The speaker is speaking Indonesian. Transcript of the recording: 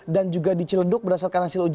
dan juga di cileduk berdasarkan hasil uji